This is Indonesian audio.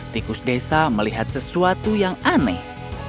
tikus desa melihat sesuatu yang aneh